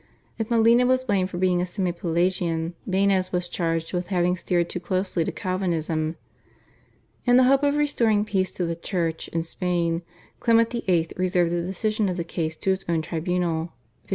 If Molina was blamed for being a Semi Pelagian, Banez was charged with having steered too closely to Calvinism. In the hope of restoring peace to the Church in Spain Clement VIII. reserved the decision of the case to his own tribunal (1596).